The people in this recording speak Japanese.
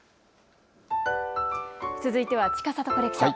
続いてはちかさとコレクション。